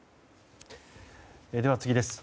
では、次です。